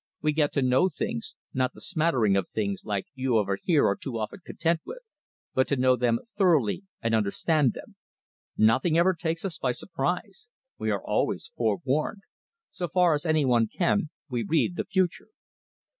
We get to know things: not the smattering of things, like you over here are too often content with, but to know them thoroughly and understand them. Nothing ever takes us by surprise. We are always forewarned. So far as any one can, we read the future."